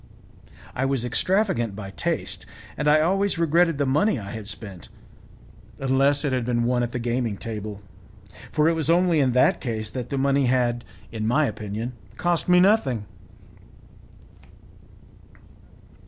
I was extravagant by taste, and I always regretted the money I had spent, unless it had been won at the gaming table, for it was only in that case that the money had, in my opinion, cost me nothing.